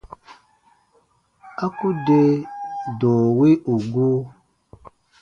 A ku de dɔ̃ɔ wi ù gu.